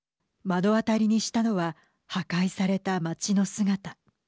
目の当たりにしたのは破壊された街の姿。